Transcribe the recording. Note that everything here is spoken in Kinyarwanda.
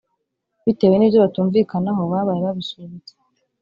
bitewe nibyo batumvikanaho babaye babisubitse